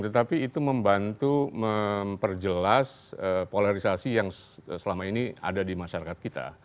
tetapi itu membantu memperjelas polarisasi yang selama ini ada di masyarakat kita